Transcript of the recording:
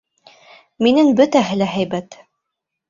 Минең бөтәһе лә һәйбәт.